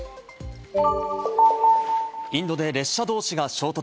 インドで列車同士が衝突。